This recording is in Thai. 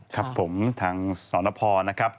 ครับผมทางสนพนะครับ